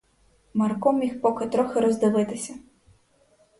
Марко міг поки трохи роздивитися.